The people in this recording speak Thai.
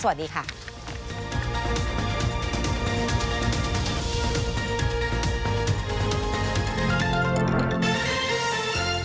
สวัสดีค่ะ